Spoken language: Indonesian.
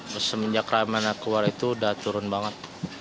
nah semenjak ramai ramai keluar itu udah turun banget